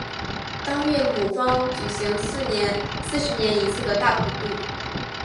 当月庙方举行四十年一次的大普度。